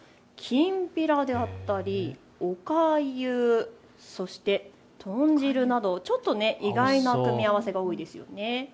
見ていきますときんぴらであったりおかゆ、そして豚汁などちょっと意外な組み合わせが多いですよね。